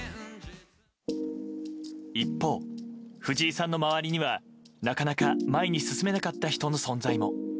一方、藤井さんの周りにはなかなか前に進めなかった人の存在も。